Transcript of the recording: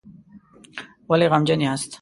ولې غمجن یاست؟